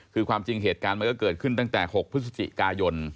คือความจริงเหตุการณ์มันก็เกิดขึ้นตั้งแต่๖พฤศจิกายน